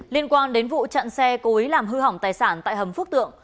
liên quan đến vụ chặn xe cố ý làm hư hỏng tài sản tại hầm phước tượng